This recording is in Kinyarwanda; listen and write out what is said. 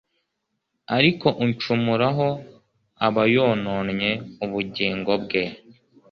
Ariko uncumuraho aba yononnye ubugingo bwe